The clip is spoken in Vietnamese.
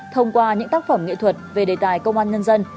thông qua những tác phẩm nghệ thuật về đề tài công an nhân dân